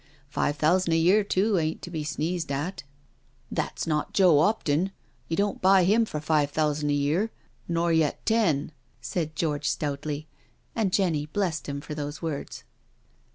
Five thousand a year too ain't to be sneezed at." " That's not Joe 'Opton— you don't buy him for five thousand a year— nor yet ten," said George stoutly, and Jenny blessed him for those words.